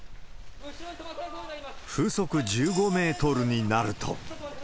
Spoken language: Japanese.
風速１５メートルになると。